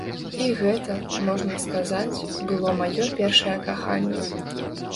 І гэта, можна сказаць, было маё першае каханне.